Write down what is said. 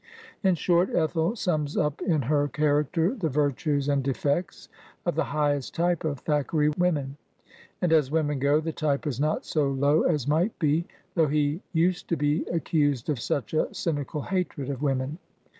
In short, Ethel siuns up in her character the virtues and defects of the highest type of Thackeray women, and, as women go, the type is not so low as might be, though he used to be accused of such a cynical hatred of women.